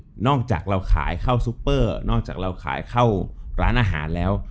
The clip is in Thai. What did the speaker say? นอกจากเราขายเข้าซุปเปอร์นอกจากเราขายเข้าร้านอาหารแล้ว